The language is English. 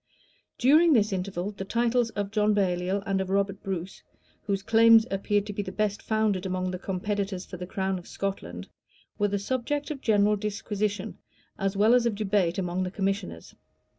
{1292.} During this interval, the titles of John Baliol and of Robert Bruce, whose claims appeared to be the best founded among the competitors for the crown of Scotland, were the subject of general disquisition, as well as of debate among the commissioners.